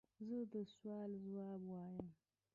زه د سوال ځواب وایم.